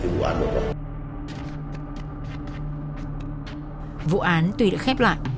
vụ án tuy đã khép lại